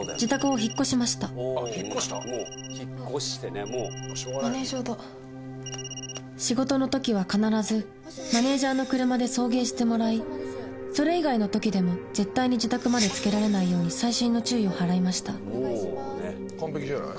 あっ引っ越した引っ越してねもうマネージャーだ仕事のときは必ずマネージャーの車で送迎してもらいそれ以外のときでも絶対に自宅までつけられないように細心の注意を払いました完璧じゃない？